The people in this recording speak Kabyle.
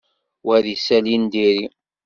Wa d isali n diri.